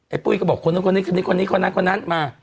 ไอ้ปุ้ยก็บอกคนนั้นคนนั้นคนนั้นมา